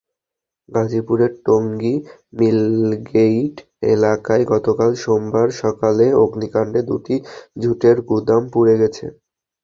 গাজীপুরের টঙ্গী মিলগেইট এলাকায় গতকাল সোমবার সকালে অগ্নিকাণ্ডে দুটি ঝুটের গুদাম পুড়ে গেছে।